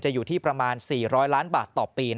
อยู่ที่ประมาณ๔๐๐ล้านบาทต่อปี